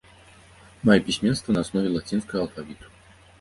Мае пісьменства на аснове лацінскага алфавіту.